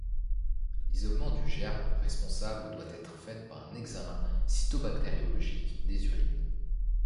L'isolement du germe responsable doit être faite par un examen cytobactériologique des urines.